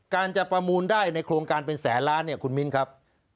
การจะประมูลได้ในโครงการเป็นแสนล้านเนี่ยคุณมิ้นครับ